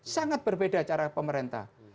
sangat berbeda cara pemerintah